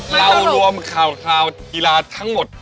เรารวมข่าวกีฬาทั้งหมด